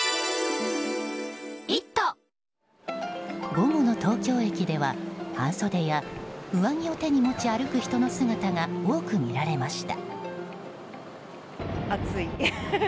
午後の東京駅では半袖や上着を手に持ち歩く人の姿が多く見られました。